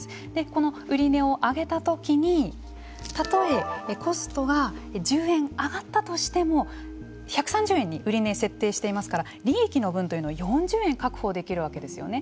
この売値を上げたときにたとえコストが１０円上がったとしても１３０円に売値を設定していますから利益の分というのは４０円確保できるわけですよね。